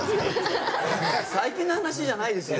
最近の話じゃないですよ。